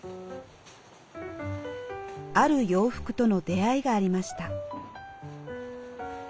ある洋服との出会いがありました。